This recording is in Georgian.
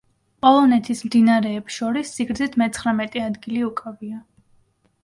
პოლონეთის მდინარეებს შორის სიგრძით მეცხრამეტე ადგილი უკავია.